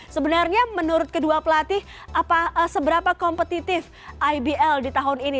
sebenarnya menurut kedua pelatih seberapa kompetitif ibl di tahun ini